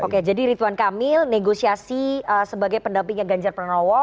oke jadi ridwan kamil negosiasi sebagai pendampingnya ganjar pranowo